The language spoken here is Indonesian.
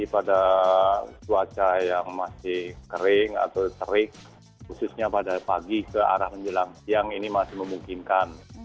pada cuaca yang masih kering atau terik khususnya pada pagi ke arah menjelang siang ini masih memungkinkan